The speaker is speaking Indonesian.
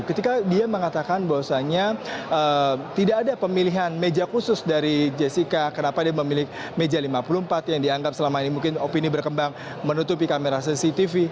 ketika dia mengatakan bahwasannya tidak ada pemilihan meja khusus dari jessica kenapa dia memilih meja lima puluh empat yang dianggap selama ini mungkin opini berkembang menutupi kamera cctv